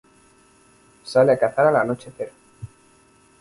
Sale a cazar al anochecer.